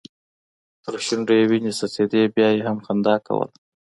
تر شونډو يې وينې څڅيدې بيا يې هم خندا کوله.